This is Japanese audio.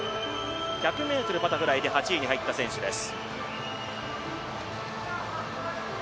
１００ｍバタフライで８位に入った選手です。